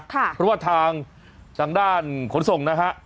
เพราะว่าทางด้านขนส่งนะฮะ